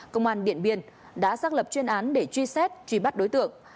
công an điện biên đã xác lập chuyên án để truy xét truy bắt đối tượng